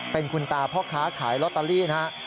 เป็นคุณตาพ่อค้าขายลอตเตอรี่นะครับ